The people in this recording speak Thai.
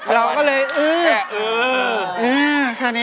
เราก็เลยอื้อ